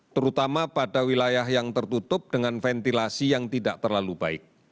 terutama pada wilayah yang tertutup dengan ventilasi yang tidak terlalu baik